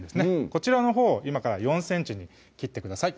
こちらのほう今から４ｃｍに切ってください